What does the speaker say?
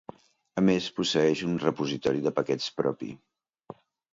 A més posseeix un repositori de paquets propi.